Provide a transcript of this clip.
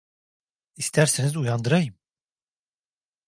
İsterseniz uyandırayım!